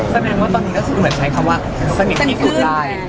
แสบงในตอนนี้ใช้คำว่าสนิทสี่สุด